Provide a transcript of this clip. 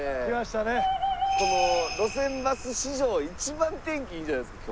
この『路線バス』史上一番天気いいんじゃないですか？